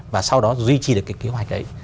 và sau đó duy trì được cái kế hoạch đấy